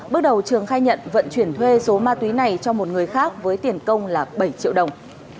bước đầu trường khai nhận vận chuyển thuê số ma túy này cho một người khác với tiền công là bảy triệu đồng